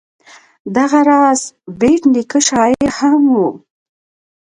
دغه راز بېټ نیکه شاعر هم و.